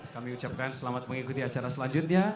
kami ucapkan selamat mengikuti acara selanjutnya